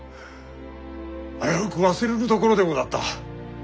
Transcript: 危うく忘れるところでござった。